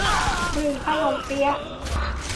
หรือขนมเปี๊ยะ